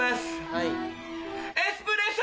はい。